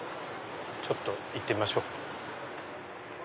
ちょっと行ってみましょう。